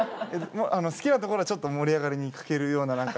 好きなところはちょっと盛り上がりに欠けるような何か。